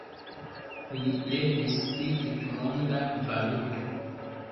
Li revis pri tutmonda valuto.